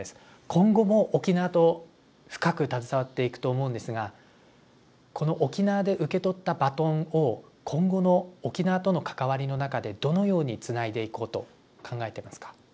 今後も沖縄と深く携わっていくと思うんですがこの沖縄で受け取ったバトンを今後の沖縄との関わりの中でどのようにつないでいこうと考えてますか？